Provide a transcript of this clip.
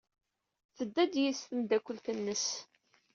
Tedda-d yid-s tmeddakelt-nnes.